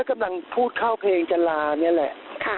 กำลังพูดเข้าเพลงจะลานี่แหละ